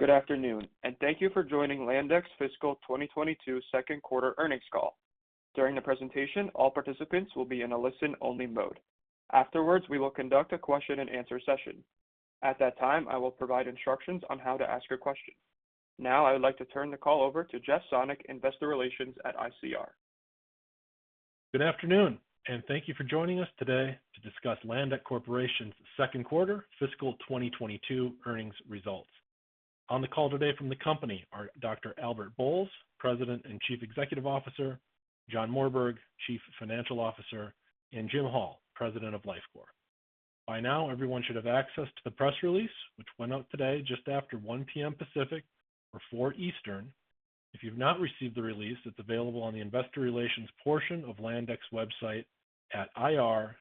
Good afternoon, and thank you for joining Landec's fiscal 2022 second quarter earnings call. During the presentation, all participants will be in a listen-only mode. Afterwards, we will conduct a question-and-answer session. At that time, I will provide instructions on how to ask your question. Now I would like to turn the call over to Jeff Sonnek, Investor Relations at ICR. Good afternoon, and thank you for joining us today to discuss Landec Corporation's second quarter fiscal 2022 earnings results. On the call today from the company are Dr. Albert Bolles, President and Chief Executive Officer, John Morberg, Chief Financial Officer, and Jim Hall, President of Lifecore. By now, everyone should have access to the press release, which went out today just after 1 :00 P.M. Pacific or 4:00 P.M. Eastern. If you've not received the release, it's available on the investor relations portion of Landec's website at ir.landec.com.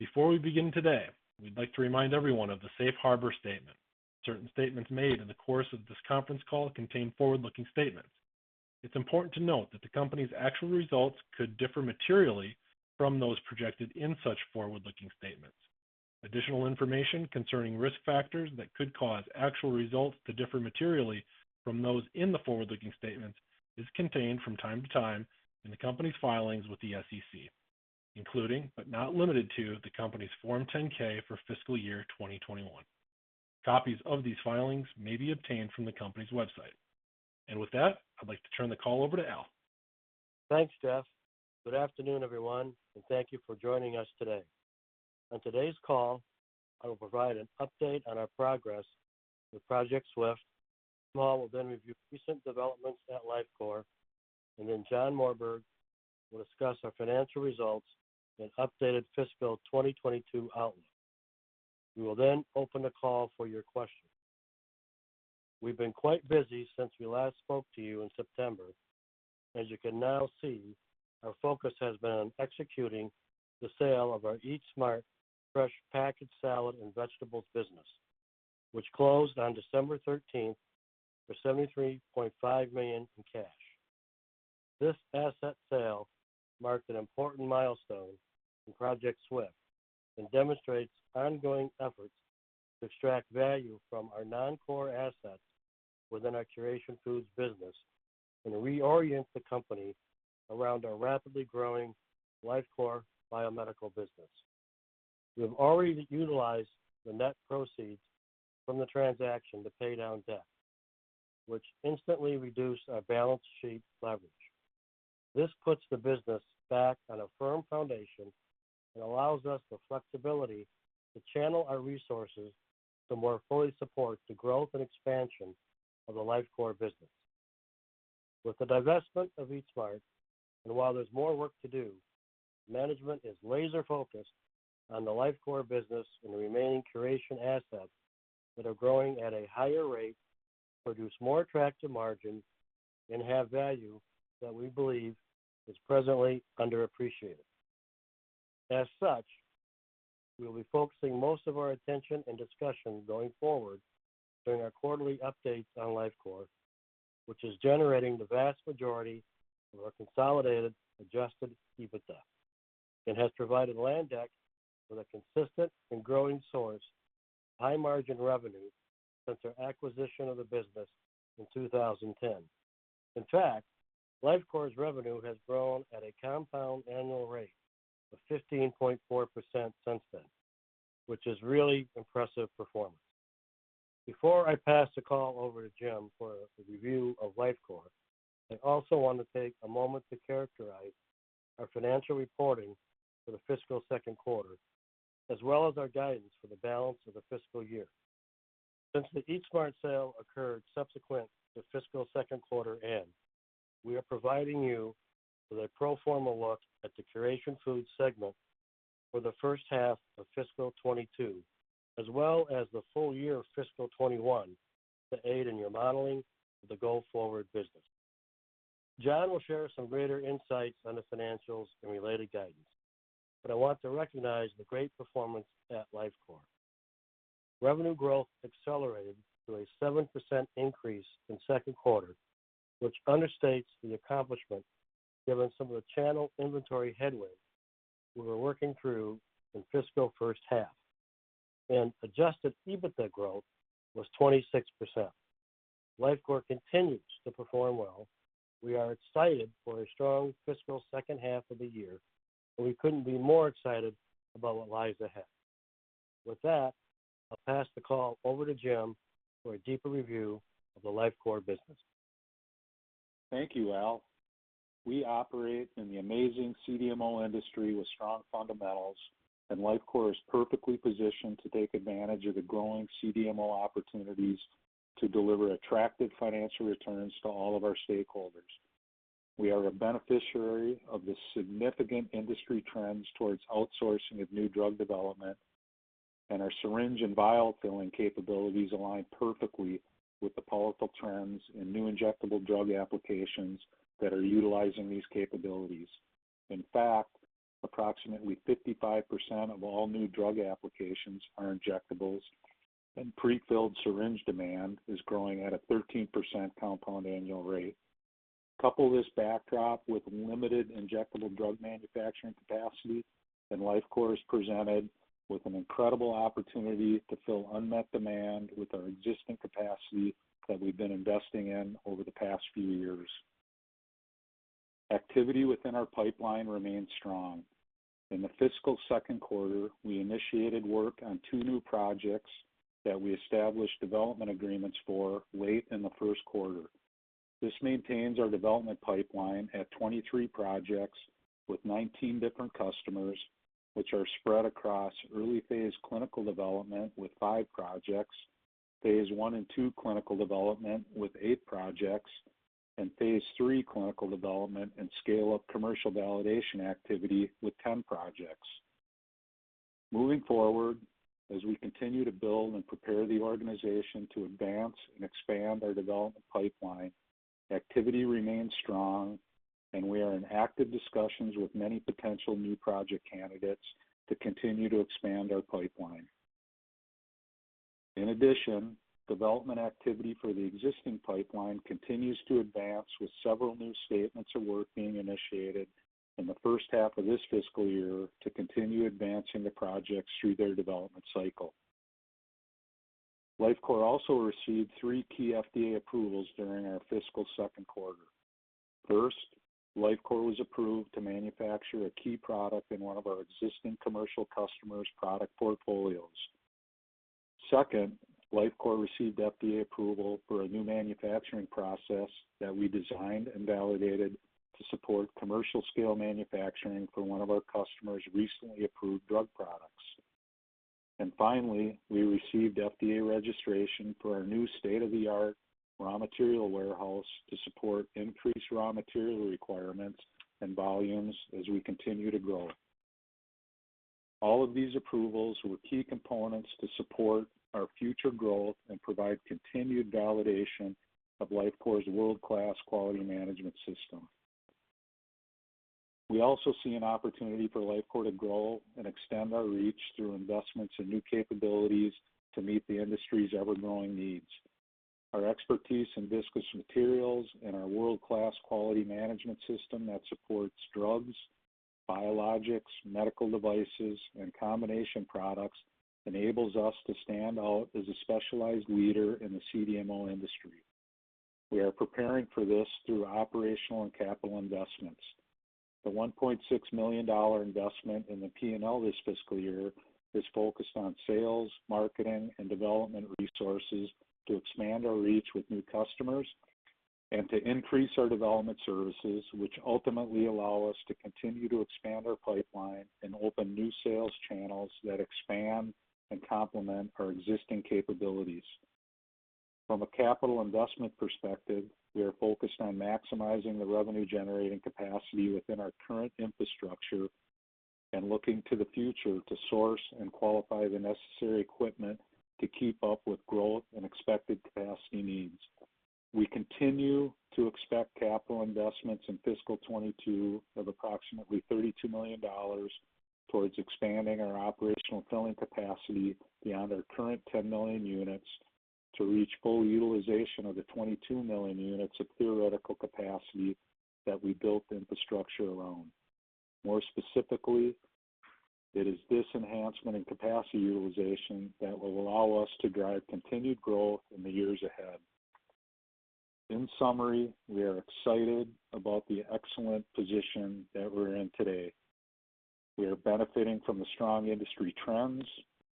Before we begin today, we'd like to remind everyone of the safe harbor statement. Certain statements made in the course of this conference call contain forward-looking statements. It's important to note that the company's actual results could differ materially from those projected in such forward-looking statements. Additional information concerning risk factors that could cause actual results to differ materially from those in the forward-looking statements is contained from time to time in the company's filings with the SEC, including, but not limited to, the company's Form 10-K for fiscal year 2021. Copies of these filings may be obtained from the company's website. With that, I'd like to turn the call over to Albert. Thanks, Jeff. Good afternoon, everyone, and thank you for joining us today. On today's call, I will provide an update on our progress with Project SWIFT. Jim Hall will then review recent developments at Lifecore, and then John Morberg will discuss our financial results and updated fiscal 2022 outlook. We will then open the call for your questions. We've been quite busy since we last spoke to you in September. As you can now see, our focus has been on executing the sale of our Eat Smart fresh packaged salad and vegetables business, which closed on December thirteenth for $73.5 million in cash. This asset sale marked an important milestone in Project SWIFT and demonstrates ongoing efforts to extract value from our non-core assets within our Curation Foods business and reorient the company around our rapidly growing Lifecore Biomedical business. We have already utilized the net proceeds from the transaction to pay down debt, which instantly reduced our balance sheet leverage. This puts the business back on a firm foundation and allows us the flexibility to channel our resources to more fully support the growth and expansion of the Lifecore business. With the divestment of Eat Smart, and while there's more work to do, management is laser-focused on the Lifecore business and the remaining Curation assets that are growing at a higher rate, produce more attractive margins, and have value that we believe is presently underappreciated. As such, we will be focusing most of our attention and discussion going forward during our quarterly updates on Lifecore, which is generating the vast majority of our consolidated adjusted EBITDA and has provided Landec with a consistent and growing source of high-margin revenue since our acquisition of the business in 2010. In fact, Lifecore's revenue has grown at a compound annual rate of 15.4% since then, which is really impressive performance. Before I pass the call over to Jim for a review of Lifecore, I also want to take a moment to characterize our financial reporting for the fiscal second quarter, as well as our guidance for the balance of the fiscal year. Since the Eat Smart sale occurred subsequent to fiscal second quarter end, we are providing you with a pro forma look at the Curation Foods segment for the first half of fiscal 2022, as well as the full year of fiscal 2021 to aid in your modeling of the go-forward business. John will share some greater insights on the financials and related guidance, but I want to recognize the great performance at Lifecore. Revenue growth accelerated to a 7% increase in second quarter, which understates the accomplishment given some of the channel inventory headway we were working through in fiscal first half. Adjusted EBITDA growth was 26%. Lifecore continues to perform well. We are excited for a strong fiscal second half of the year, and we couldn't be more excited about what lies ahead. With that, I'll pass the call over to Jim for a deeper review of the Lifecore business. Thank you, Albert. We operate in the amazing CDMO industry with strong fundamentals, and Lifecore is perfectly positioned to take advantage of the growing CDMO opportunities to deliver attractive financial returns to all of our stakeholders. We are a beneficiary of the significant industry trends towards outsourcing of new drug development, and our syringe and vial filling capabilities align perfectly with the powerful trends in new injectable drug applications that are utilizing these capabilities. In fact, approximately 55% of all new drug applications are injectables, and prefilled syringe demand is growing at a 13% compound annual rate. Coupled this backdrop with limited injectable drug manufacturing capacity, and Lifecore is presented with an incredible opportunity to fill unmet demand with our existing capacity that we've been investing in over the past few years. Activity within our pipeline remains strong. In the fiscal second quarter, we initiated work on two new projects that we established development agreements for late in the first quarter. This maintains our development pipeline at 23 projects with 19 different customers, which are spread across early phase clinical development with five projects, phase I and II clinical development with eight projects, and phase III clinical development and scale-up commercial validation activity with 10 projects. Moving forward, as we continue to build and prepare the organization to advance and expand our development pipeline, activity remains strong, and we are in active discussions with many potential new project candidates to continue to expand our pipeline. In addition, development activity for the existing pipeline continues to advance with several new statements of work being initiated in the first half of this fiscal year to continue advancing the projects through their development cycle. Lifecore also received three key FDA approvals during our fiscal second quarter. First, Lifecore was approved to manufacture a key product in one of our existing commercial customers' product portfolios. Second, Lifecore received FDA approval for a new manufacturing process that we designed and validated to support commercial scale manufacturing for one of our customers' recently approved drug products. Finally, we received FDA registration for our new state-of-the-art raw material warehouse to support increased raw material requirements and volumes as we continue to grow. All of these approvals were key components to support our future growth and provide continued validation of Lifecore's world-class quality management system. We also see an opportunity for Lifecore to grow and extend our reach through investments in new capabilities to meet the industry's ever-growing needs. Our expertise in viscous materials and our world-class quality management system that supports drugs, biologics, medical devices, and combination products enables us to stand out as a specialized leader in the CDMO industry. We are preparing for this through operational and capital investments. The $1.6 million investment in the P&L this fiscal year is focused on sales, marketing, and development resources to expand our reach with new customers and to increase our development services, which ultimately allow us to continue to expand our pipeline and open new sales channels that expand and complement our existing capabilities. From a capital investment perspective, we are focused on maximizing the revenue-generating capacity within our current infrastructure and looking to the future to source and qualify the necessary equipment to keep up with growth and expected capacity needs. We continue to expect capital investments in fiscal 2022 of approximately $32 million towards expanding our operational filling capacity beyond our current 10 million units to reach full utilization of the 22 million units of theoretical capacity that we built the infrastructure around. More specifically, it is this enhancement in capacity utilization that will allow us to drive continued growth in the years ahead. In summary, we are excited about the excellent position that we're in today. We are benefiting from the strong industry trends,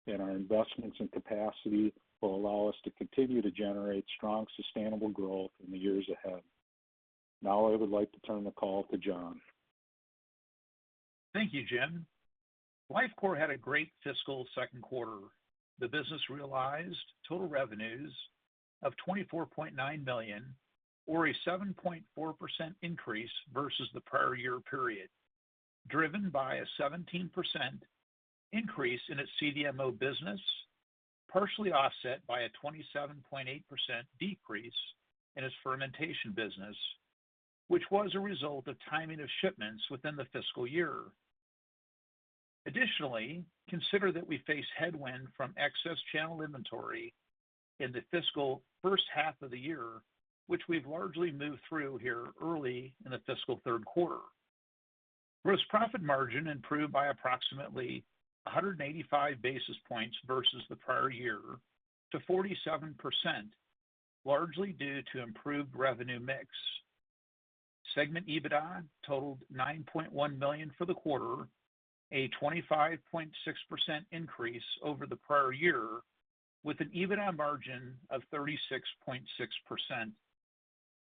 and our investments in capacity will allow us to continue to generate strong, sustainable growth in the years ahead. Now I would like to turn the call to John. Thank you, Jim. Lifecore had a great fiscal second quarter. The business realized total revenues of $24.9 million or a 7.4% increase versus the prior year period, driven by a 17% increase in its CDMO business, partially offset by a 27.8% decrease in its fermentation business, which was a result of timing of shipments within the fiscal year. Additionally, consider that we face headwind from excess channel inventory in the fiscal first half of the year, which we've largely moved through here early in the fiscal third quarter. Gross profit margin improved by approximately 185 basis points versus the prior year to 47%, largely due to improved revenue mix. Segment EBITDA totaled $9.1 million for the quarter, a 25.6% increase over the prior year, with an EBITDA margin of 36.6%.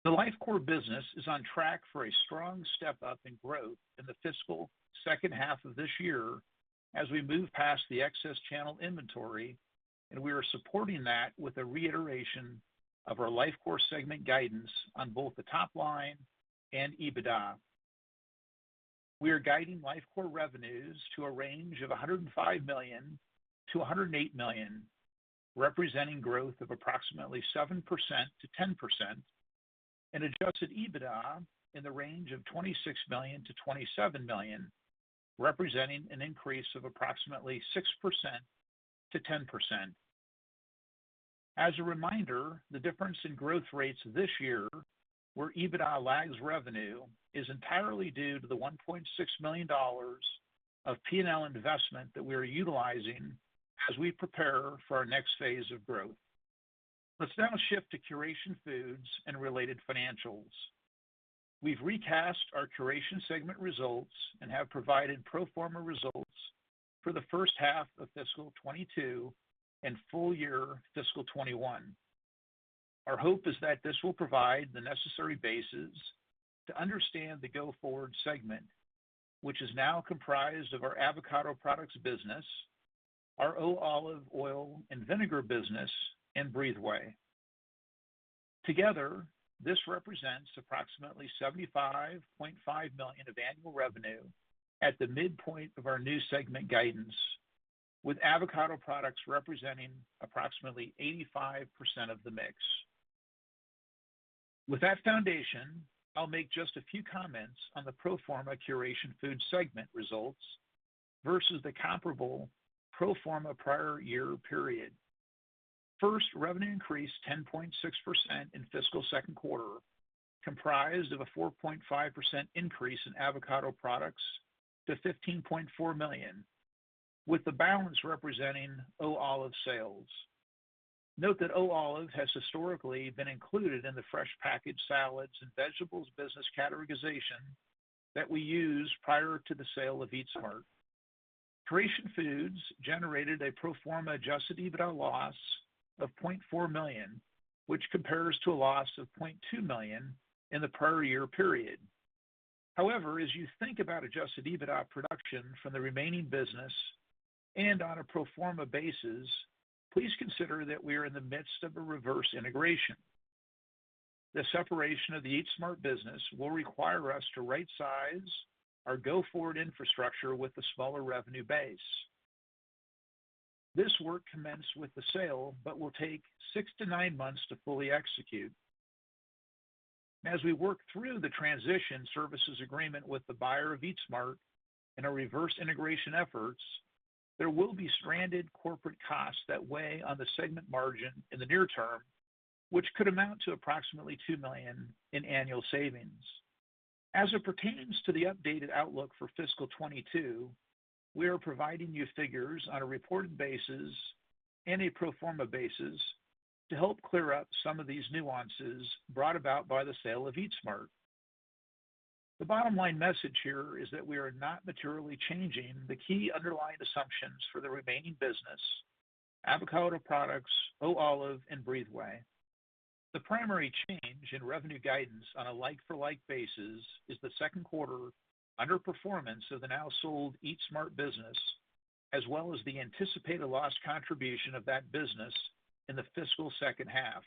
The Lifecore business is on track for a strong step-up in growth in the fiscal second half of this year as we move past the excess channel inventory, and we are supporting that with a reiteration of our Lifecore segment guidance on both the top line and EBITDA. We are guiding Lifecore revenues to a range of $105 million-$108 million, representing growth of approximately 7%-10%, and adjusted EBITDA in the range of $26 million-$27 million, representing an increase of approximately 6%-10%. As a reminder, the difference in growth rates this year where EBITDA lags revenue is entirely due to the $1.6 million of P&L investment that we are utilizing as we prepare for our next phase of growth. Let's now shift to Curation Foods and related financials. We've recast our Curation segment results and have provided pro forma results for the first half of fiscal 2022 and full year fiscal 2021. Our hope is that this will provide the necessary basis to understand the go-forward segment, which is now comprised of our avocado products business, our O Olive Oil and Vinegar business, and BreatheWay. Together, this represents approximately $75.5 million of annual revenue at the midpoint of our new segment guidance, with avocado products representing approximately 85% of the mix. With that foundation, I'll make just a few comments on the pro forma Curation Foods segment results versus the comparable pro forma prior year period. First, revenue increased 10.6% in fiscal second quarter, comprised of a 4.5% increase in avocado products to $15.4 million, with the balance representing O Olive sales. Note that O Olive has historically been included in the fresh packaged salads and vegetables business categorization that we used prior to the sale of Eat Smart. Curation Foods generated a pro forma adjusted EBITDA loss of $0.4 million, which compares to a loss of $0.2 million in the prior year period. However, as you think about adjusted EBITDA production from the remaining business and on a pro forma basis, please consider that we are in the midst of a reverse integration. The separation of the Eat Smart business will require us to rightsize our go-forward infrastructure with a smaller revenue base. This work commenced with the sale but will take six to nine months to fully execute. As we work through the transition services agreement with the buyer of Eat Smart and our reverse integration efforts, there will be stranded corporate costs that weigh on the segment margin in the near term, which could amount to approximately $2 million in annual savings. As it pertains to the updated outlook for fiscal 2022, we are providing you figures on a reported basis and a pro forma basis to help clear up some of these nuances brought about by the sale of Eat Smart. The bottom line message here is that we are not materially changing the key underlying assumptions for the remaining business, Avocado Products, O Olive, and BreatheWay. The primary change in revenue guidance on a like-for-like basis is the second quarter underperformance of the now sold Eat Smart business, as well as the anticipated lost contribution of that business in the fiscal second half.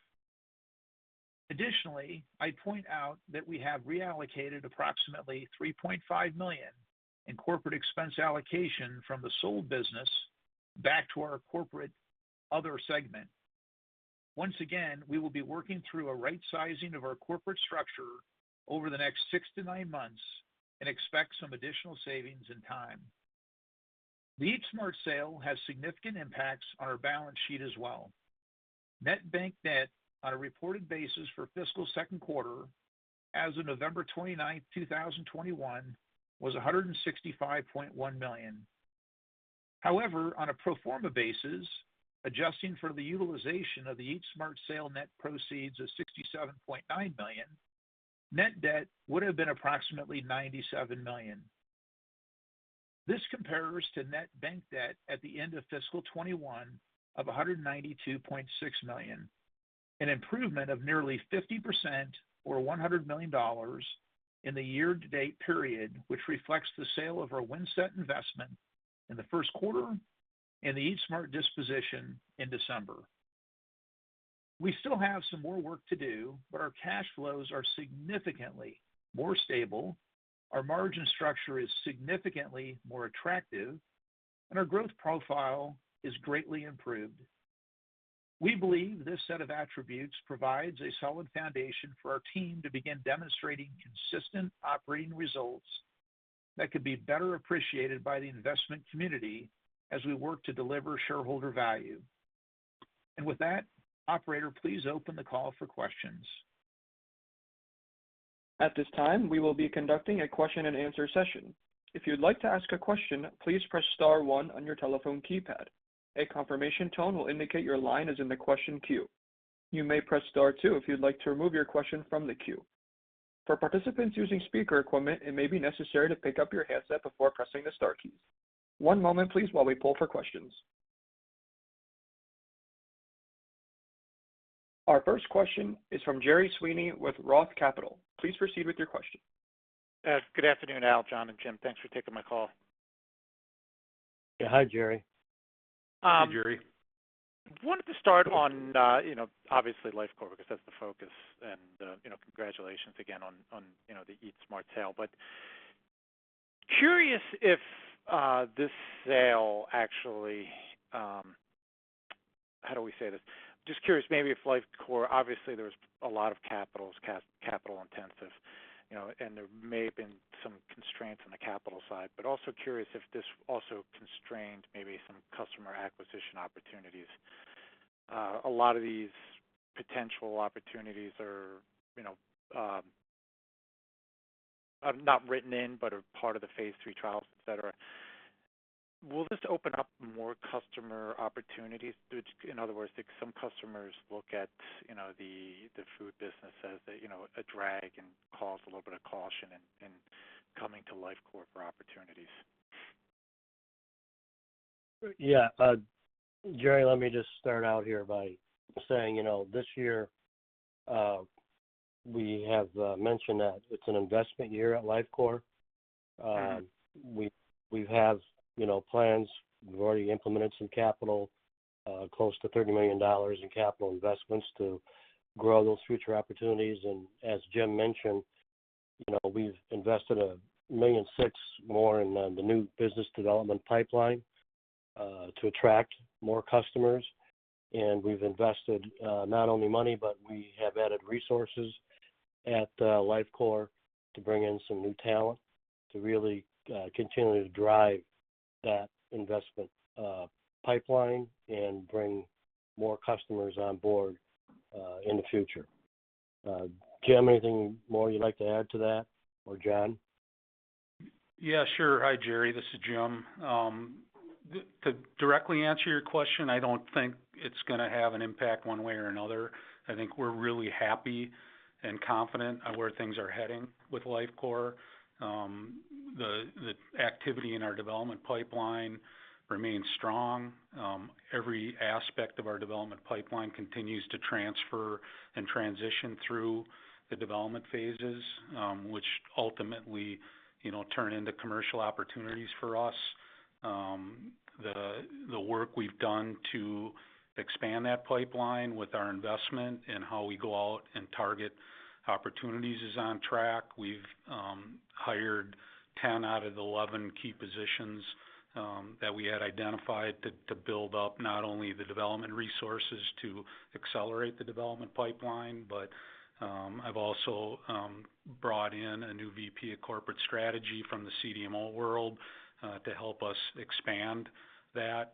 Additionally, I point out that we have reallocated approximately $3.5 million in corporate expense allocation from the sold business back to our corporate other segment. Once again, we will be working through a rightsizing of our corporate structure over the next six to nine months and expect some additional savings and time. The Eat Smart sale has significant impacts on our balance sheet as well. Net bank debt on a reported basis for fiscal second quarter as of November 29, 2021 was $165.1 million. However, on a pro forma basis, adjusting for the utilization of the Eat Smart sale net proceeds of $67.9 million, net debt would have been approximately $97 million. This compares to net bank debt at the end of fiscal 2021 of $192.6 million, an improvement of nearly 50% or $100 million in the year-to-date period, which reflects the sale of our Windset investment in the first quarter and the Eat Smart disposition in December. We still have some more work to do, but our cash flows are significantly more stable, our margin structure is significantly more attractive, and our growth profile is greatly improved. We believe this set of attributes provides a solid foundation for our team to begin demonstrating consistent operating results that could be better appreciated by the investment community as we work to deliver shareholder value. With that, operator, please open the call for questions. At this time, we will be conducting a question and answer session. If you'd like to ask a question, please press star one on your telephone keypad. A confirmation tone will indicate your line is in the question queue. You may press star two if you'd like to remove your question from the queue. For participants using speaker equipment, it may be necessary to pick up your headset before pressing the star keys. One moment please while we poll for questions. Our first question is from Gerry Sweeney with Roth Capital. Please proceed with your question. Good afternoon, Albert, John, and Jim. Thanks for taking my call. Yeah. Hi, Gerry. Hi, Gerry. Wanted to start on, you know, obviously, Lifecore, because that's the focus and, you know, congratulations again on, you know, the Eat Smart sale. Curious if this sale actually... How do we say this? Just curious maybe if Lifecore—obviously, there's a lot of capital intensive. You know, and there may have been some constraints on the capital side, but also curious if this also constrained maybe some customer acquisition opportunities. A lot of these potential opportunities are, you know, not written in, but are part of the phase III trials, et cetera. Will this open up more customer opportunities? Which, in other words, I think some customers look at, you know, the food business as a, you know, a drag and cause a little bit of caution in coming to Lifecore for opportunities. Yeah. Gerry, let me just start out here by saying, you know, this year, we have mentioned that it's an investment year at Lifecore. We have, you know, plans. We've already implemented some capital close to $30 million in capital investments to grow those future opportunities. As Jim mentioned, you know, we've invested $1.6 million more in the new business development pipeline to attract more customers. We've invested not only money, but we have added resources at Lifecore to bring in some new talent to really continue to drive that investment pipeline and bring more customers on board in the future. Jim, anything more you'd like to add to that, or John? Yeah, sure. Hi, Gerry, this is Jim. To directly answer your question, I don't think it's gonna have an impact one way or another. I think we're really happy and confident at where things are heading with Lifecore. The activity in our development pipeline remains strong. Every aspect of our development pipeline continues to transfer and transition through the development phases, which ultimately, you know, turn into commercial opportunities for us. The work we've done to expand that pipeline with our investment and how we go out and target opportunities is on track. We've hired 10 out of 11 key positions that we had identified to build up not only the development resources to accelerate the development pipeline, but I've also brought in a new VP of corporate strategy from the CDMO world to help us expand that.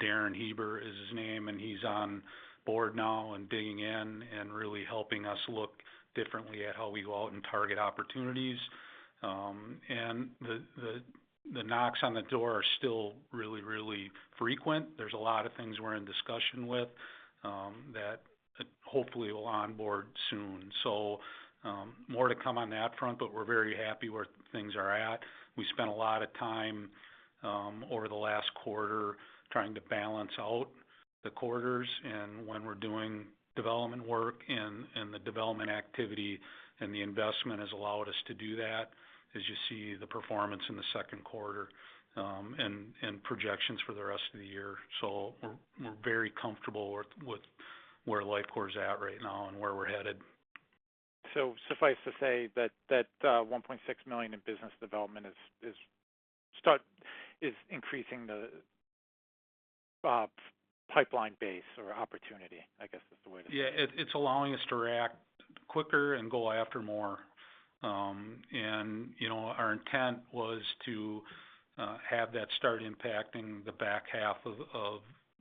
Darren Hieber is his name, and he's on board now and digging in and really helping us look differently at how we go out and target opportunities. The knocks on the door are still really frequent. There's a lot of things we're in discussion with that hopefully will onboard soon. More to come on that front, but we're very happy where things are at. We spent a lot of time over the last quarter trying to balance out the quarters and when we're doing development work and the development activity, and the investment has allowed us to do that as you see the performance in the second quarter and projections for the rest of the year. We're very comfortable with where Lifecore's at right now and where we're headed. Suffice to say that $1.6 million in business development is increasing the pipeline base or opportunity, I guess is the way to say. It's allowing us to react quicker and go after more. Our intent was to have that start impacting the back half of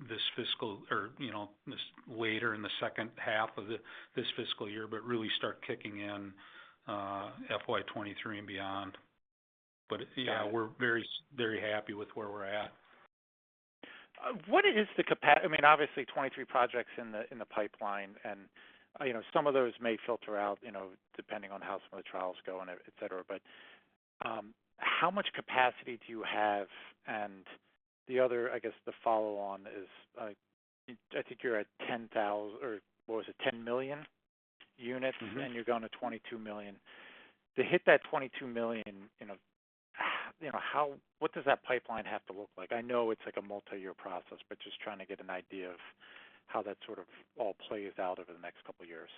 this fiscal or later in the second half of this fiscal year, but really start kicking in FY 2023 and beyond. Yeah, we're very happy with where we're at. What is the capacity? I mean, obviously, 23 projects in the pipeline and, you know, some of those may filter out, you know, depending on how some of the trials go and et cetera. How much capacity do you have? And the other, I guess, the follow on is, I think you're at 10,000 or what was it, 10 million units- You're going to $22 million. To hit that $22 million, you know, what does that pipeline have to look like? I know it's like a multi-year process, but just trying to get an idea of how that sort of all plays out over the next couple of years.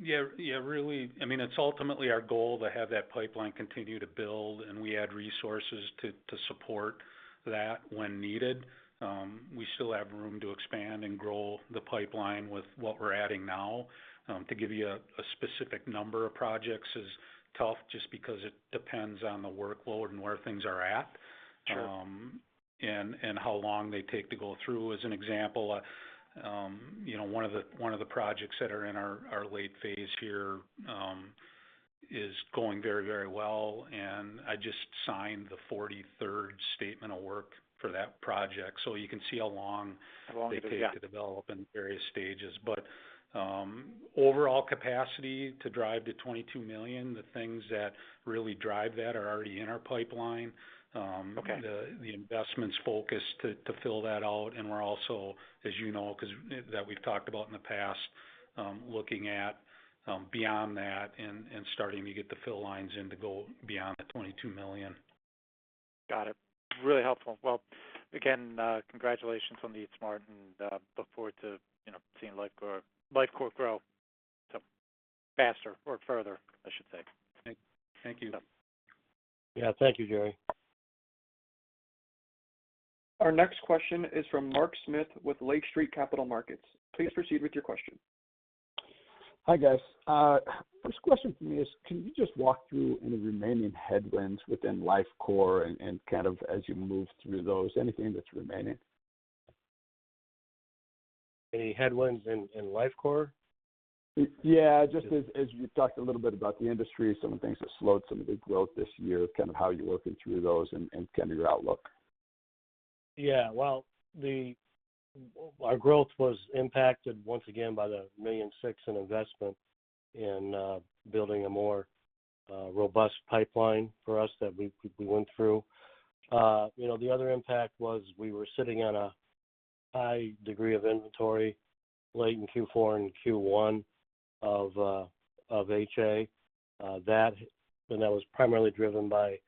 Yeah, really, I mean, it's ultimately our goal to have that pipeline continue to build, and we add resources to support that when needed. We still have room to expand and grow the pipeline with what we're adding now. To give you a specific number of projects is tough just because it depends on the workload and where things are at. Sure. how long they take to go through. As an example, you know, one of the projects that are in our late phase here is going very well, and I just signed the 43rd statement of work for that project. You can see how long. How long it takes, yeah. They take to develop in various stages. Overall capacity to drive to $22 million, the things that really drive that are already in our pipeline. Okay The investments focus to fill that out and we're also, as you know, 'cause that we've talked about in the past, looking at beyond that and starting to get the fill lines in to go beyond the $22 million. Got it. Really helpful. Well, again, congratulations on the Eat Smart and look forward to, you know, seeing Lifecore grow faster or further, I should say. Thank you. Yeah. Yeah. Thank you, Gerry. Our next question is from Mark Smith with Lake Street Capital Markets. Please proceed with your question. Hi, guys. First question for me is, can you just walk through any remaining headwinds within Lifecore and kind of as you move through those, anything that's remaining? Any headwinds in Lifecore? Yeah, just as you talked a little bit about the industry, some of the things that slowed some of the growth this year, kind of how you're working through those and kind of your outlook. Yeah. Well, our growth was impacted once again by the $1.6 million in investment in building a more robust pipeline for us that we went through. You know, the other impact was we were sitting on a high degree of inventory late in Q4 and Q1 of HA. That was primarily driven by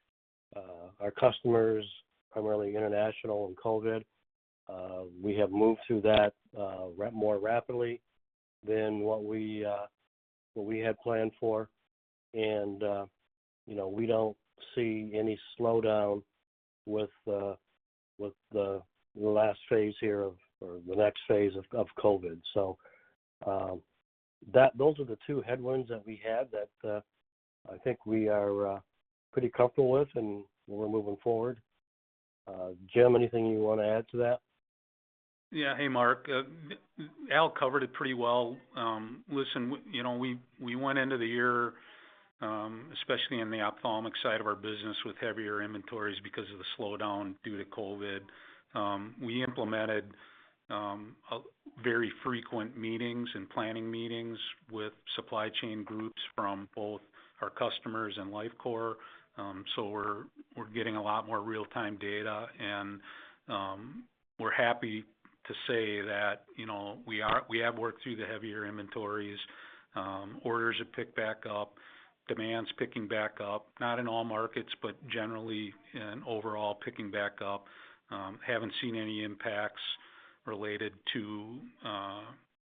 our customers, primarily international and COVID. We have moved through that more rapidly than what we had planned for. You know, we don't see any slowdown with the last phase here or the next phase of COVID. Those are the two headwinds that we had that I think we are pretty comfortable with, and we're moving forward. Jim, anything you wanna add to that? Yeah. Hey, Mark. Albert covered it pretty well. You know, we went into the year, especially in the ophthalmic side of our business, with heavier inventories because of the slowdown due to COVID. We implemented a very frequent meetings and planning meetings with supply chain groups from both our customers and Lifecore, so we're getting a lot more real-time data. We're happy to say that, you know, we have worked through the heavier inventories. Orders have picked back up. Demand's picking back up, not in all markets, but generally and overall picking back up. Haven't seen any impacts related to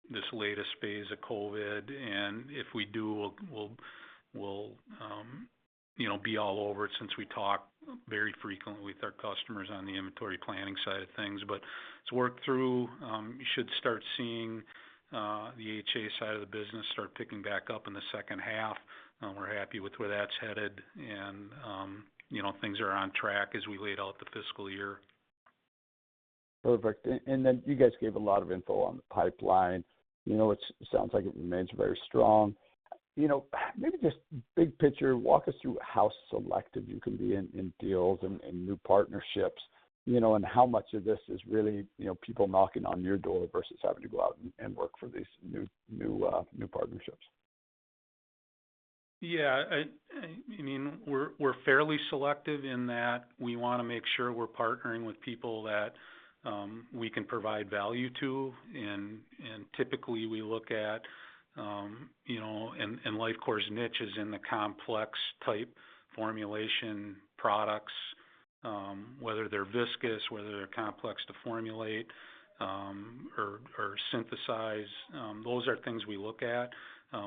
this latest phase of COVID, and if we do, we'll be all over it since we talk very frequently with our customers on the inventory planning side of things. It's worked through. You should start seeing the HA side of the business start picking back up in the second half. We're happy with where that's headed and you know, things are on track as we laid out the fiscal year. Perfect. Then you guys gave a lot of info on the pipeline. You know, it sounds like it remains very strong. You know, maybe just big picture, walk us through how selective you can be in deals and new partnerships, you know, and how much of this is really, you know, people knocking on your door versus having to go out and work for these new partnerships. Yeah. I mean, we're fairly selective in that we wanna make sure we're partnering with people that we can provide value to. Typically we look at Lifecore's niche is in the complex type formulation products, whether they're viscous, whether they're complex to formulate, or synthesize, those are things we look at.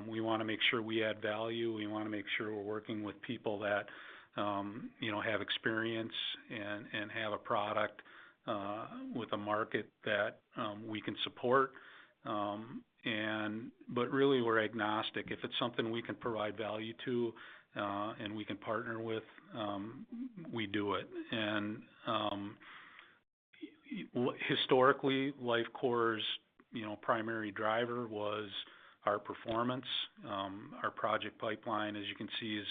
We wanna make sure we add value. We wanna make sure we're working with people that have experience and have a product with a market that we can support. Really, we're agnostic. If it's something we can provide value to and we can partner with, we do it. Historically, Lifecore's primary driver was our performance. Our project pipeline, as you can see, is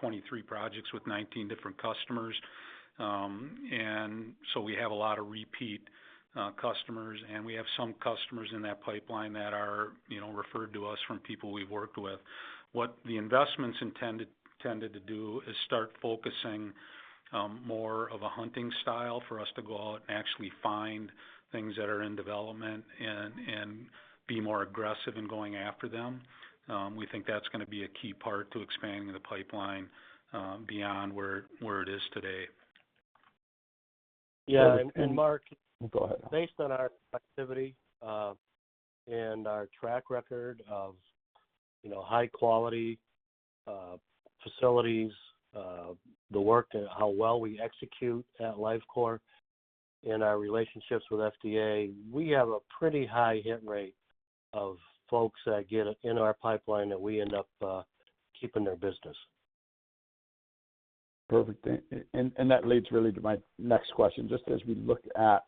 23 projects with 19 different customers. We have a lot of repeat customers, and we have some customers in that pipeline that are, you know, referred to us from people we've worked with. What the investments tended to do is start focusing more of a hunting style for us to go out and actually find things that are in development and be more aggressive in going after them. We think that's gonna be a key part to expanding the pipeline beyond where it is today. Yeah. Mark- Go ahead. Based on our activity and our track record of, you know, high quality facilities, the work and how well we execute at Lifecore and our relationships with FDA, we have a pretty high hit rate of folks that get in our pipeline that we end up keeping their business. Perfect. That leads really to my next question. Just as we look at,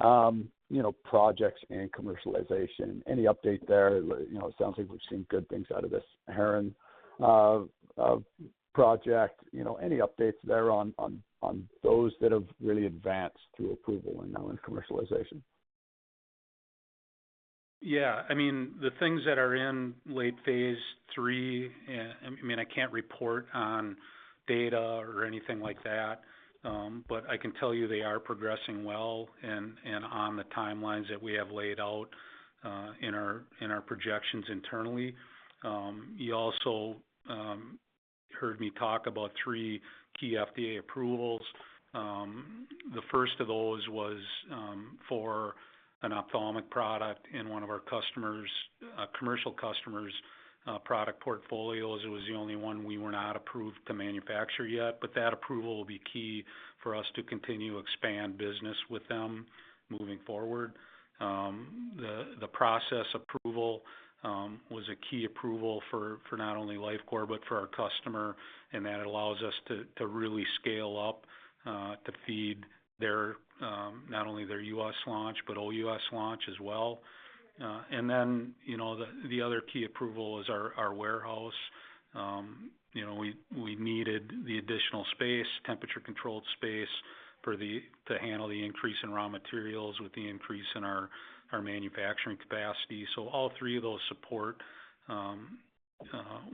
you know, projects and commercialization, any update there? You know, it sounds like we've seen good things out of this Heron project. You know, any updates there on those that have really advanced through approval and now in commercialization? Yeah. I mean, the things that are in late phase III, I mean, I can't report on data or anything like that, but I can tell you they are progressing well and on the timelines that we have laid out in our projections internally. You also heard me talk about three key FDA approvals. The first of those was for an ophthalmic product in one of our customers, commercial customers', product portfolios. It was the only one we were not approved to manufacture yet, but that approval will be key for us to continue to expand business with them moving forward. The process approval was a key approval for not only Lifecore, but for our customer, and that allows us to really scale up to feed not only their U.S. launch, but OUS launch as well. The other key approval is our warehouse. We needed the additional space, temperature-controlled space to handle the increase in raw materials with the increase in our manufacturing capacity. All three of those support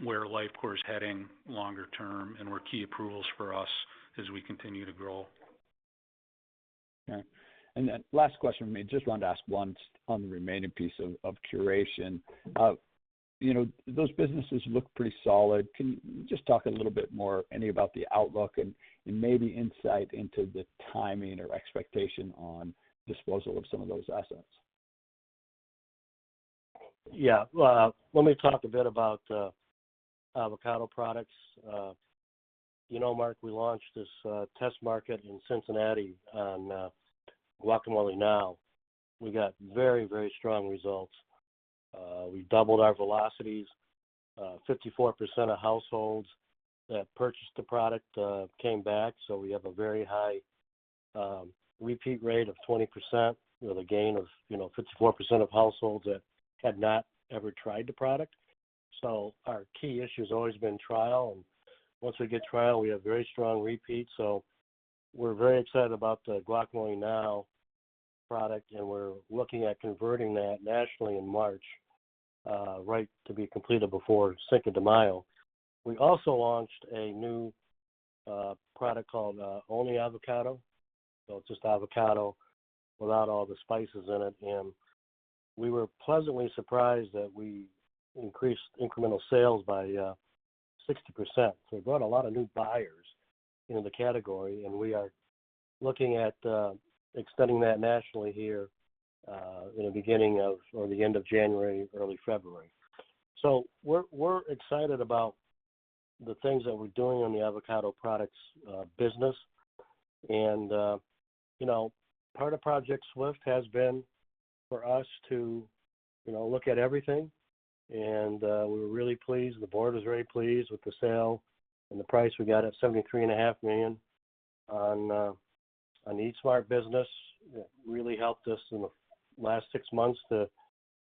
where Lifecore is heading longer term and were key approvals for us as we continue to grow. Yeah. Last question for me, just wanted to ask once on the remaining piece of Curation. You know, those businesses look pretty solid. Can you just talk a little bit more any about the outlook and maybe insight into the timing or expectation on disposal of some of those assets? Yeah. Let me talk a bit about Avocado Products. You know, Mark, we launched this test market in Cincinnati on Guacamole Now. We got very, very strong results. We doubled our velocities. 54% of households that purchased the product came back, so we have a very high repeat rate of 20%. You know, the gain of, you know, 54% of households that had not ever tried the product. Our key issue has always been trial, and once we get trial, we have very strong repeat. We're very excited about the Guacamole Now product, and we're looking at converting that nationally in March right to be completed before Cinco de Mayo. We also launched a new product called Only Avocado. It's just avocado without all the spices in it. We were pleasantly surprised that we increased incremental sales by 60%. We brought a lot of new buyers into the category, and we are looking at extending that nationally here in the beginning of or the end of January, early February. We're excited about the things that we're doing on the Avocado Products business. You know, part of Project SWIFT has been for us to you know look at everything and we were really pleased. The board was very pleased with the sale and the price we got at $73.5 million on the Eat Smart business. That really helped us in the last six months to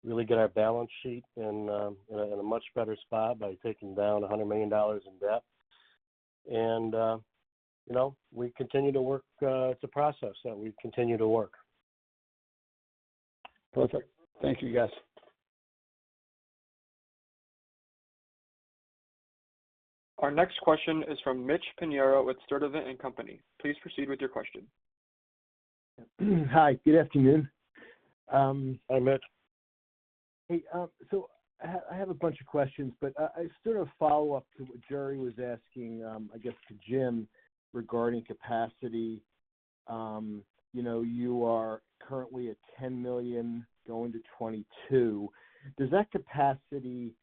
really get our balance sheet in a much better spot by taking down $100 million in debt. You know, we continue to work. It's a process that we continue to work. Perfect. Thank you, guys. Our next question is from Mitch Pinheiro with Sturdivant & Co., Inc. Please proceed with your question. Hi, good afternoon. Hi, Mitch. Hey, I have a bunch of questions, but sort of follow-up to what Gerry was asking, I guess to Jim regarding capacity. You know, you are currently at 10 million, going to 22. Does that capacity,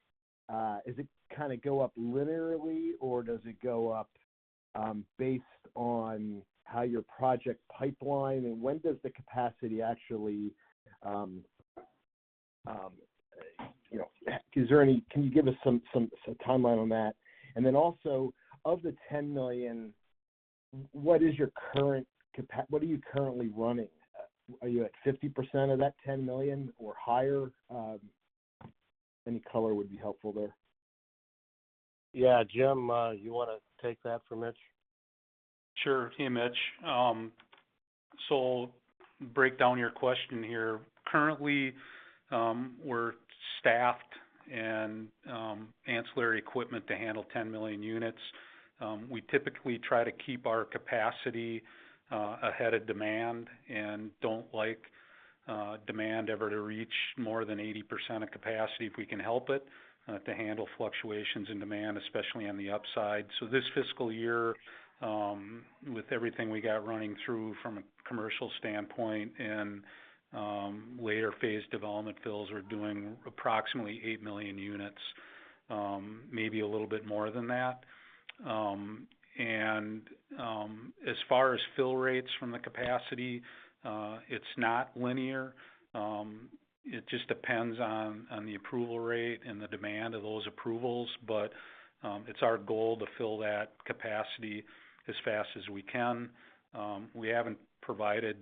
is it kinda go up linearly, or does it go up based on how your project pipeline. And when does the capacity actually, you know, Can you give us some timeline on that? And then also, of the 10 million, what are you currently running? Are you at 50% of that 10 million or higher? Any color would be helpful there. Yeah. Jim, you wanna take that for Mitch? Sure. Hey, Mitch. Break down your question here. Currently, we're staffed and ancillary equipment to handle 10 million units. We typically try to keep our capacity ahead of demand and don't like demand ever to reach more than 80% of capacity if we can help it to handle fluctuations in demand, especially on the upside. This fiscal year, with everything we got running through from a commercial standpoint and later phase development fills, we're doing approximately 8 million units, maybe a little bit more than that. As far as fill rates from the capacity, it's not linear. It just depends on the approval rate and the demand of those approvals. It's our goal to fill that capacity as fast as we can. We haven't provided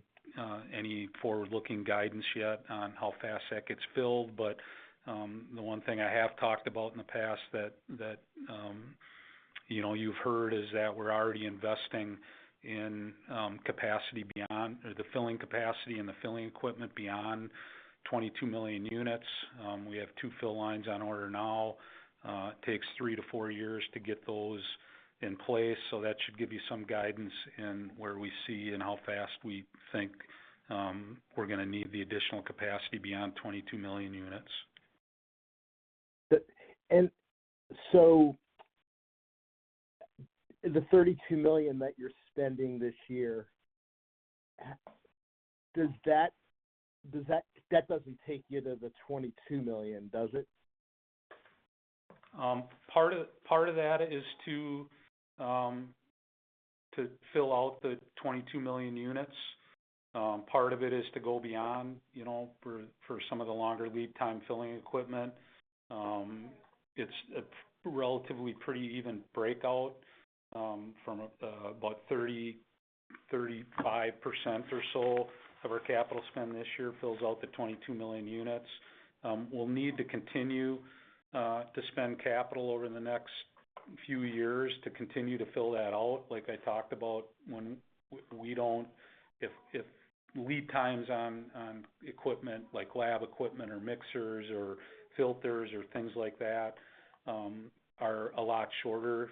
any forward-looking guidance yet on how fast that gets filled. The one thing I have talked about in the past that you know you've heard is that we're already investing in capacity beyond the filling capacity and the filling equipment beyond 22 million units. We have two fill lines on order now. It takes three to four years to get those in place. That should give you some guidance in where we see and how fast we think we're gonna need the additional capacity beyond 22 million units. The $32 million that you're spending this year, that doesn't take you to the $22 million, does it? Part of that is to fill out the 22 million units. Part of it is to go beyond, you know, for some of the longer lead time filling equipment. It's a relatively pretty even breakout from about 35% or so of our capital spend this year fills out the 22 million units. We'll need to continue to spend capital over the next few years to continue to fill that out, like I talked about. If lead times on equipment like lab equipment or mixers or filters or things like that are a lot shorter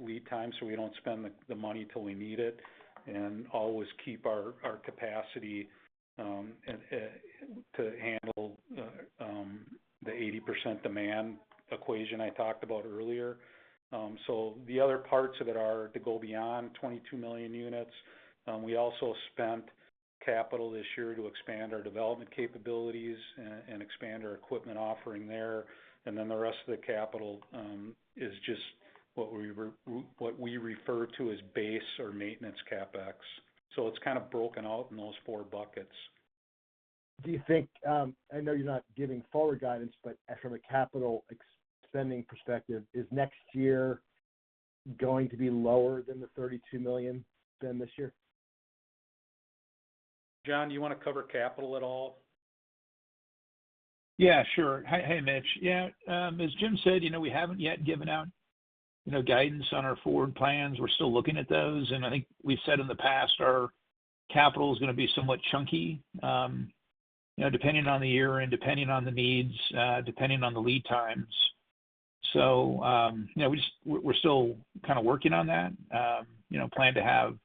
lead time, so we don't spend the money till we need it and always keep our capacity to handle the 80% demand equation I talked about earlier. The other parts of it are to go beyond 22 million units. We also spent capital this year to expand our development capabilities and expand our equipment offering there. The rest of the capital is just what we refer to as base or maintenance CapEx. It's kind of broken out in those four buckets. Do you think, I know you're not giving forward guidance, but from a CapEx spending perspective, is next year going to be lower than the $32 million spend this year? John, do you wanna cover capital at all? Yeah, sure. Hey, Mitch. Yeah, as Jim said, you know, we haven't yet given out, you know, guidance on our forward plans. We're still looking at those. I think we've said in the past, our capital is gonna be somewhat chunky, you know, depending on the year and depending on the needs, depending on the lead times. You know, we're still kind of working on that. You know, we plan to have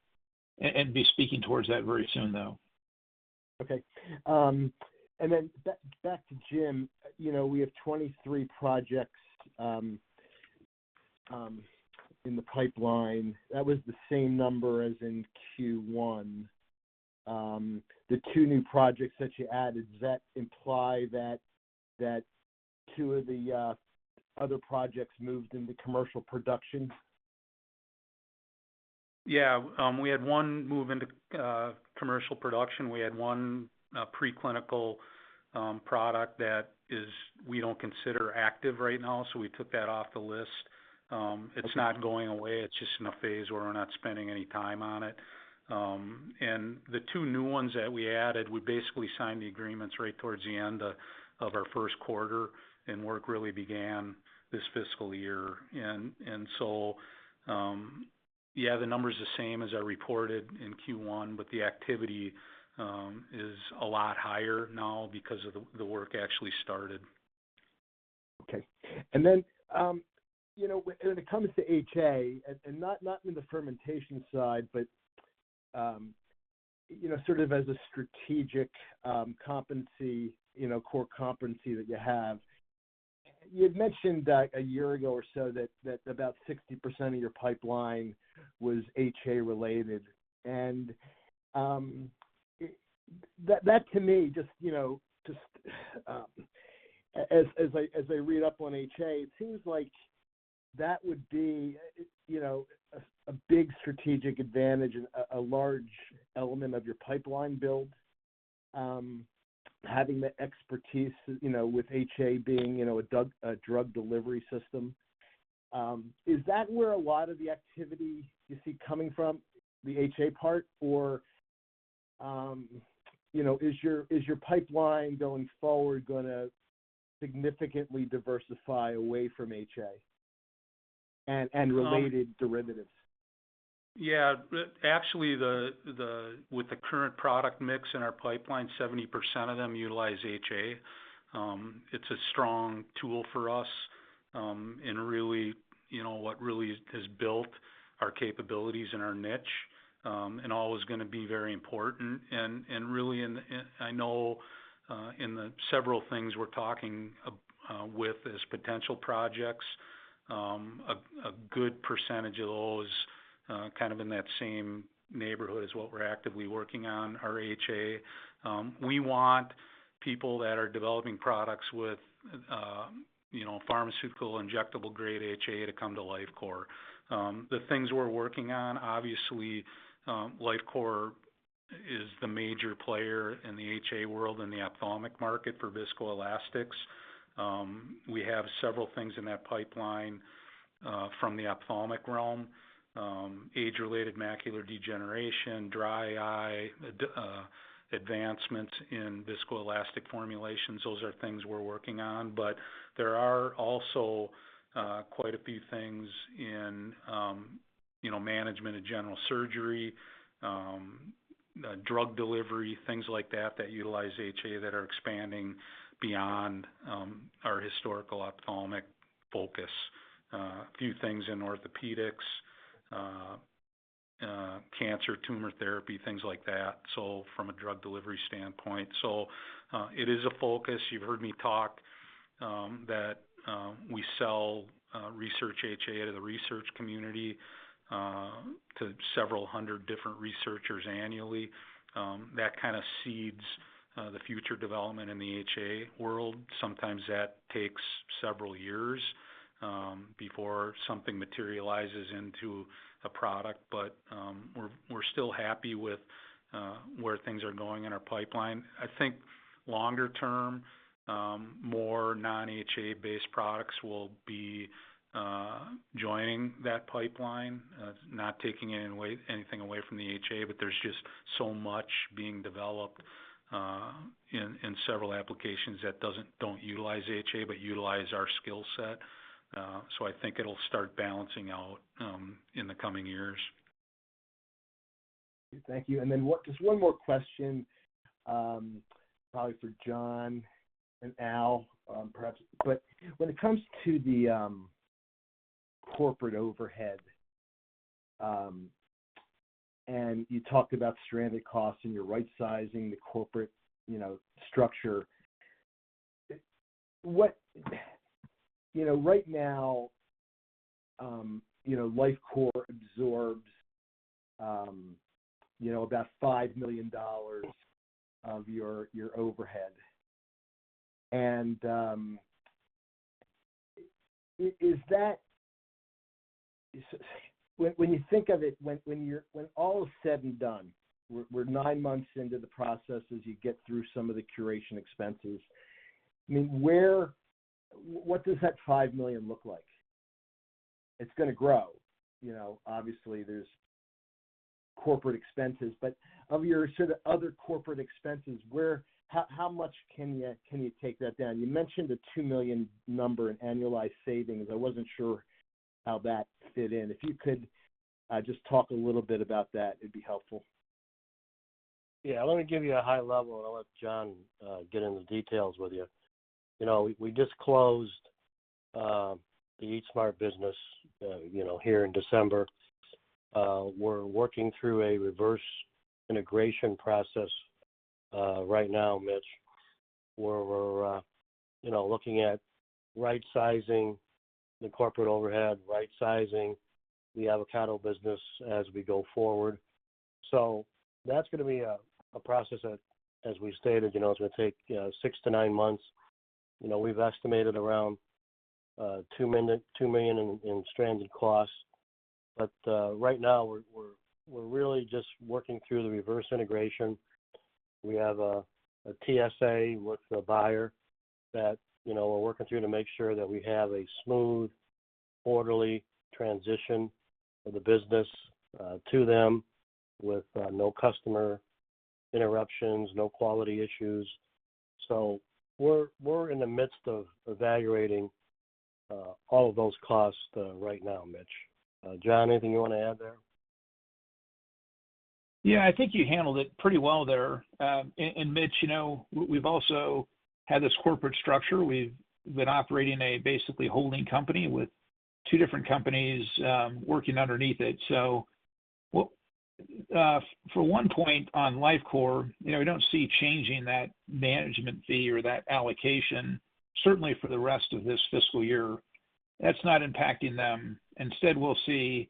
and be speaking towards that very soon, though. Back to Jim. You know, we have 23 projects in the pipeline. That was the same number as in Q1. The two new projects that you added, does that imply that two of the other projects moved into commercial production? Yeah. We had one move into commercial production. We had one preclinical product that is, we don't consider active right now, so we took that off the list. Okay. It's not going away. It's just in a phase where we're not spending any time on it. The two new ones that we added, we basically signed the agreements right towards the end of our first quarter, and work really began this fiscal year. Yeah, the number's the same as I reported in Q1, but the activity is a lot higher now because of the work actually started. Okay. You know, when it comes to HA, and not in the fermentation side, but you know, sort of as a strategic competency, you know, core competency that you have, you'd mentioned that a year ago or so that about 60% of your pipeline was HA-related. That to me just you know, as I read up on HA, it seems like that would be you know, a big strategic advantage and a large element of your pipeline build, having the expertise you know, with HA being you know, a drug delivery system. Is that where a lot of the activity you see coming from, the HA part? Or you know, is your pipeline going forward gonna significantly diversify away from HA and related derivatives? Yeah. Actually, with the current product mix in our pipeline, 70% of them utilize HA. It's a strong tool for us, and really, you know, what really has built our capabilities and our niche, and always gonna be very important. I know, in the several things we're talking with as potential projects, a good percentage of those, kind of in that same neighborhood as what we're actively working on are HA. We want people that are developing products with, you know, pharmaceutical injectable grade HA to come to Lifecore. The things we're working on, obviously, Lifecore is the major player in the HA world in the ophthalmic market for viscoelastics. We have several things in that pipeline, from the ophthalmic realm. Age-related macular degeneration, dry eye, advancement in viscoelastic formulations, those are things we're working on. There are also quite a few things in, you know, wound management and general surgery, drug delivery, things like that utilize HA that are expanding beyond our historical ophthalmic focus. A few things in orthopedics, cancer tumor therapy, things like that, so from a drug delivery standpoint. It is a focus. You've heard me talk that we sell research HA to the research community to several hundred different researchers annually. That kind of seeds the future development in the HA world. Sometimes that takes several years before something materializes into a product. We're still happy with where things are going in our pipeline. I think longer term, more non-HA-based products will be joining that pipeline. Not taking anything away from the HA, but there's just so much being developed in several applications that don't utilize HA but utilize our skill set. I think it'll start balancing out in the coming years. Thank you. Just one more question, probably for John and Albert, perhaps. When it comes to the corporate overhead, and you talked about stranded costs and you're rightsizing the corporate, you know, structure. You know, right now, Lifecore absorbs about $5 million of your overhead. Is that. So when you think of it, when you're. When all is said and done, we're nine months into the process as you get through some of the Curation expenses. I mean, where. What does that $5 million look like? It's gonna grow, you know, obviously there's corporate expenses, but of your sort of other corporate expenses, where. How much can you take that down? You mentioned a $2 million number in annualized savings. I wasn't sure how that fit in. If you could, just talk a little bit about that, it'd be helpful. Yeah. Let me give you a high level, and I'll let John Morberg get into the details with you. You know, we just closed the Eat Smart business, you know, here in December. We're working through a reverse integration process right now, Mitch, where we're you know, looking at rightsizing the corporate overhead, rightsizing the avocado business as we go forward. That's gonna be a process that, as we stated, you know, it's gonna take six to nine months. You know, we've estimated around $2 million in stranded costs. Right now we're really just working through the reverse integration. We have a TSA with the buyer that, you know, we're working through to make sure that we have a smooth, orderly transition of the business to them with no customer interruptions, no quality issues. We're in the midst of evaluating all of those costs right now, Mitch. John, anything you wanna add there? Yeah. I think you handled it pretty well there. Mitch, you know, we've also had this corporate structure. We've been operating basically a holding company with two different companies working underneath it. For one point on Lifecore, you know, we don't see changing that management fee or that allocation certainly for the rest of this fiscal year. That's not impacting them. Instead, we'll see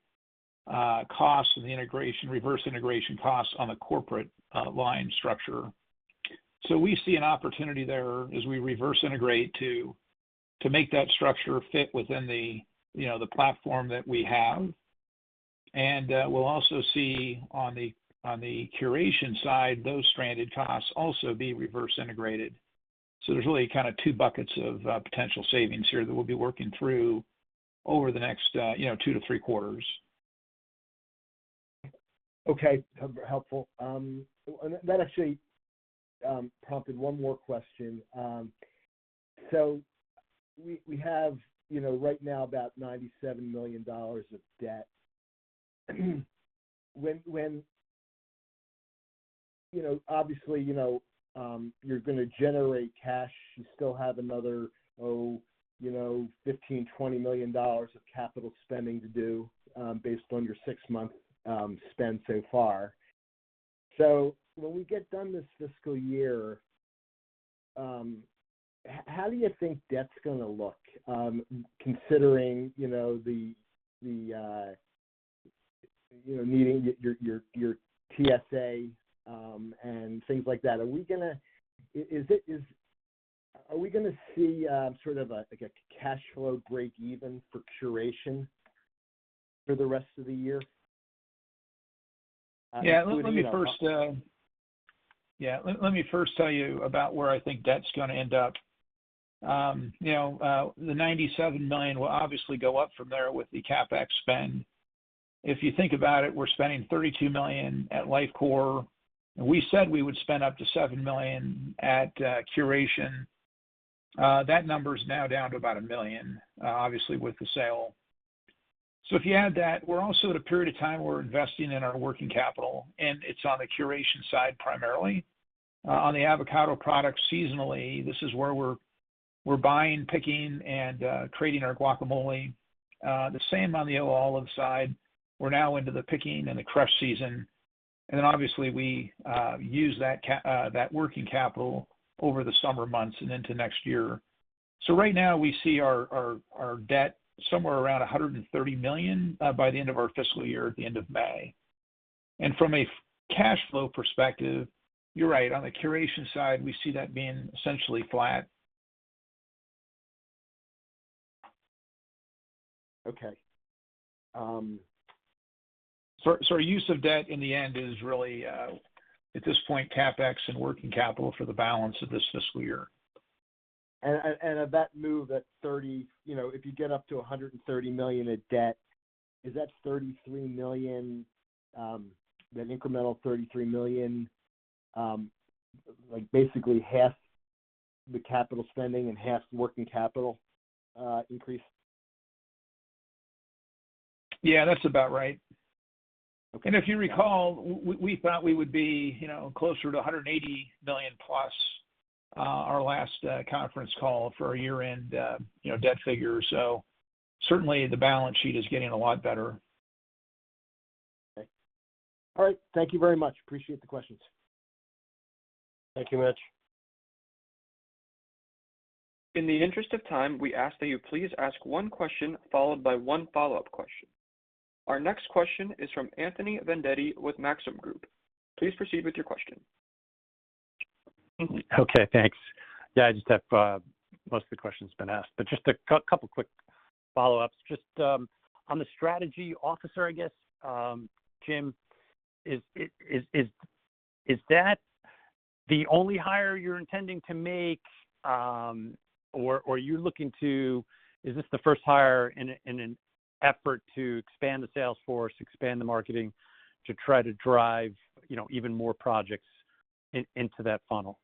costs in the integration, reverse integration costs on the corporate line structure. We see an opportunity there as we reverse integrate to make that structure fit within the, you know, the platform that we have. We'll also see on the Curation side, those stranded costs also be reverse integrated. There's really kind of two buckets of potential savings here that we'll be working through over the next you know two to three quarters. Okay. Helpful. That actually prompted one more question. We have, you know, right now about $97 million of debt. You know, obviously, you know, you're gonna generate cash. You still have another, you know, $15-$20 million of capital spending to do, based on your six-month spend so far. When we get done this fiscal year, how do you think debt's gonna look, considering, you know, the, you know, meeting your TSA, and things like that? Are we gonna see, sort of a, like a cash flow break even for Curation for the rest of the year? Let me first tell you about where I think debt's gonna end up. You know, the $97 million will obviously go up from there with the CapEx spend. If you think about it, we're spending $32 million at Lifecore. We said we would spend up to $7 million at Curation. That number's now down to about $1 million, obviously with the sale. If you add that, we're also at a period of time where we're investing in our working capital, and it's on the Curation side primarily. On the avocado product seasonally, this is where we're buying, picking, and creating our guacamole. The same on the olive side. We're now into the picking and the crush season. Obviously, we use that working capital over the summer months and into next year. Right now, we see our debt somewhere around $130 million by the end of our fiscal year at the end of May. From a cash flow perspective, you're right. On the Curation side, we see that being essentially flat. Okay. Our use of debt in the end is really, at this point, CapEx and working capital for the balance of this fiscal year. of that move, that 30. You know, if you get up to $130 million of debt, is that $33 million, that incremental $33 million, like basically half the capital spending and half working capital increase? Yeah, that's about right. Okay. If you recall, we thought we would be, you know, closer to $180 million per our last conference call for a year-end, you know, debt figure. Certainly, the balance sheet is getting a lot better. Okay. All right. Thank you very much. Appreciate the questions. Thank you, Mitch. In the interest of time, we ask that you please ask one question followed by one follow-up question. Our next question is from Anthony Vendetti with Maxim Group. Please proceed with your question. Okay, thanks. Yeah, I just have... Most of the question's been asked, but just a couple quick follow-ups. Just, on the strategy officer, I guess, Jim, is that the only hire you're intending to make, or, is this the first hire in an effort to expand the sales force, expand the marketing to try to drive, you know, even more projects into that funnel?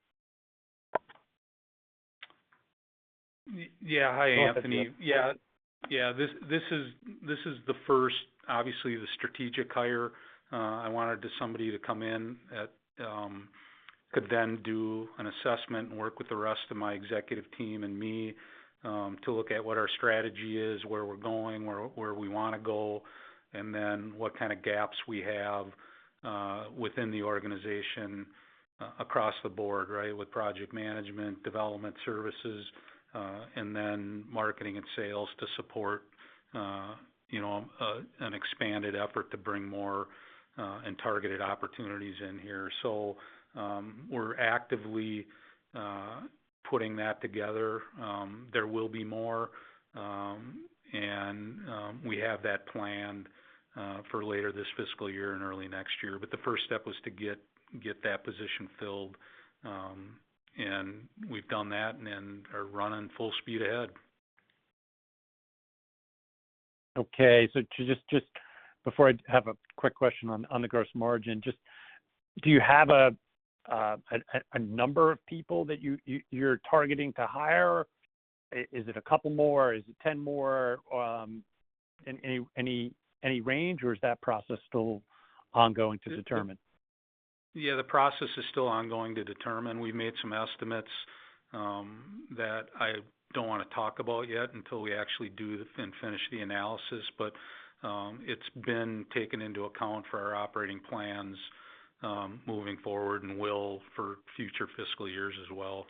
Yeah. Hi, Anthony. Go ahead, Jim. This is the first, obviously, the strategic hire. I wanted just somebody to come in who could then do an assessment and work with the rest of my executive team and me to look at what our strategy is, where we're going, where we wanna go, and then what kind of gaps we have within the organization across the board, right? With project management, development services, and then marketing and sales to support you know an expanded effort to bring more and targeted opportunities in here. We're actively putting that together. There will be more and we have that planned for later this fiscal year and early next year. The first step was to get that position filled. We've done that and are running full speed ahead. Okay. Just before I have a quick question on the gross margin. Do you have a number of people that you're targeting to hire? Is it a couple more? Is it 10 more? Any range, or is that process still ongoing to determine? Yeah, the process is still ongoing to determine. We've made some estimates that I don't wanna talk about yet until we actually finish the analysis. It's been taken into account for our operating plans moving forward and will for future fiscal years as well.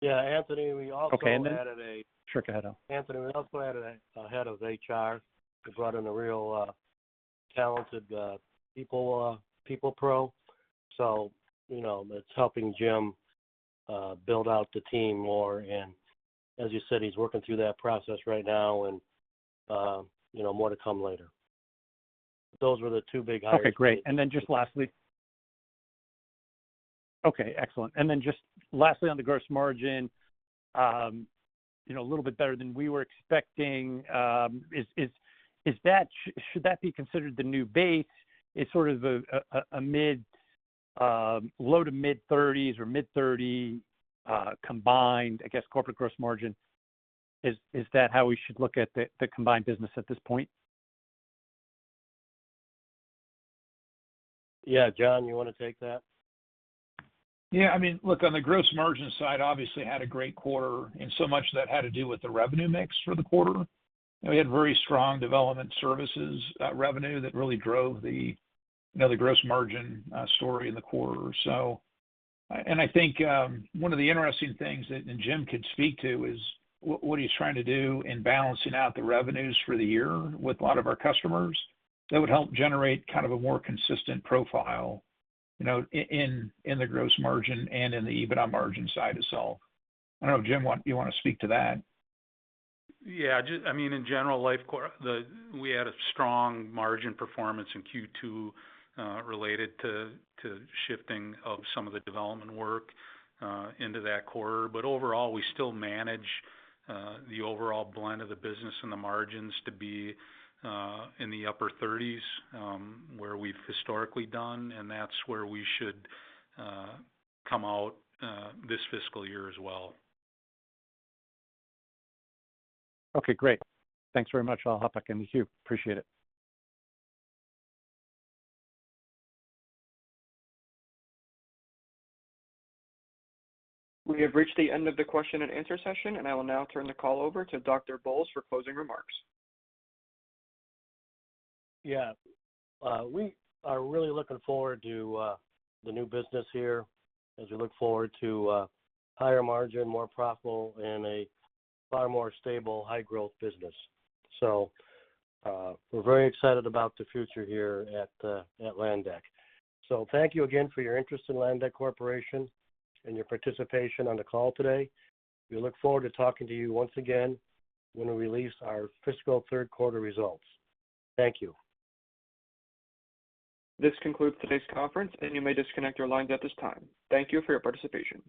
Yeah, Anthony, we also- Okay. -added a- Sure, go ahead. Anthony, we also added a head of HR who brought in a real talented people pro. You know, it's helping Jim build out the team more. As you said, he's working through that process right now and, you know, more to come later. Those were the two big hires. Okay, great. Okay, excellent. Just lastly on the gross margin, you know, a little bit better than we were expecting. Should that be considered the new base as sort of a low- to mid-30s% or mid-30% combined, I guess, corporate gross margin? Is that how we should look at the combined business at this point? Yeah. John, you wanna take that? Yeah. I mean, look, on the gross margin side, obviously had a great quarter, and so much of that had to do with the revenue mix for the quarter. You know, we had very strong development services revenue that really drove the, you know, the gross margin story in the quarter. And I think one of the interesting things that, and Jim could speak to, is what he's trying to do in balancing out the revenues for the year with a lot of our customers that would help generate kind of a more consistent profile, you know, in the gross margin and in the EBITDA margin side as well. I don't know, Jim, you wanna speak to that? Yeah. I mean, in general, we had a strong margin performance in Q2 related to shifting of some of the development work into that quarter. Overall, we still manage the overall blend of the business and the margins to be in the upper 30s, where we've historically done, and that's where we should come out this fiscal year as well. Okay, great. Thanks very much. I'll hop back into queue. Appreciate it. We have reached the end of the question and answer session, and I will now turn the call over to Dr. Bolles for closing remarks. Yeah. We are really looking forward to the new business here as we look forward to higher margin, more profitable, and a far more stable high-growth business. We're very excited about the future here at Landec. Thank you again for your interest in Landec Corporation and your participation on the call today. We look forward to talking to you once again when we release our fiscal third quarter results. Thank you. This concludes today's conference, and you may disconnect your lines at this time. Thank you for your participation.